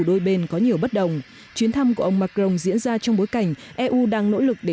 đôi bên có nhiều bất đồng chuyến thăm của ông macron diễn ra trong bối cảnh eu đang nỗ lực để